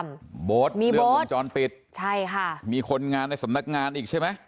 มีบทเรื่องลงจรปิดมีคนงานในสำนักงานอีกใช่ไหม